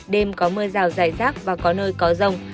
đêm có mưa rào dài rác và có nơi có rông